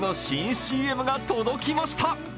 ＣＭが届きました。